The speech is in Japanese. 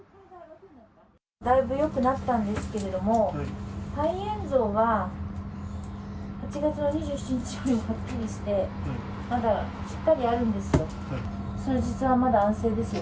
だいぶよくなったんですけど、肺炎像が８月の２７日にはっきりして、まだしっかりあるんですよ。